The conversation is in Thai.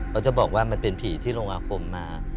เขาจะบอกว่ามันเป็นผีที่ลงอาคมมา